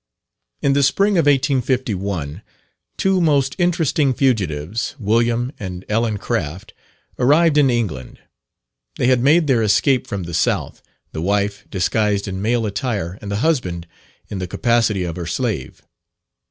In the spring of 1851, two most interesting fugitives, William and Ellen Craft, arrived in England. They had made their escape from the South, the wife disguised in male attire, and the husband in the capacity of her slave.